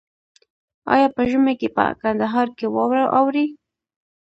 آیا په ژمي کې په کندهار کې واوره اوري؟